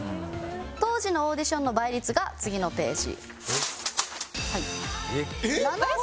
当時のオーディションの倍率が次のページ。